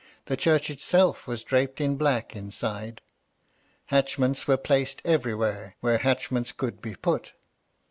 The church itself was draped in black inside. Hatchments were placed everywhere, where hatchments could be put.